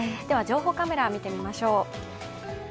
情報カメラ、見てみましょう。